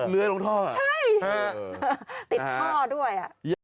เนื้อลงท่อใช่ติดท่อด้วย